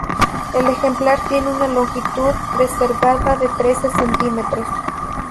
El ejemplar tiene una longitud preservada de trece centímetros.